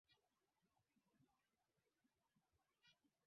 Siwezi kuwa nikisoma kila siku